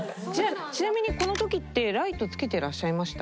ちなみにこの時ってライトつけてらっしゃいました？